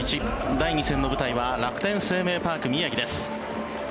第２戦の舞台は楽天生命パーク宮城です。